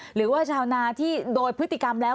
หรือว่าชาวนาที่โดยพฤติกรรมแล้ว